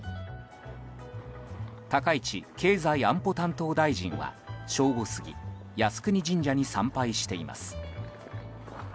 高市経済安保担当大臣は正午過ぎ靖国神社に参拝しています。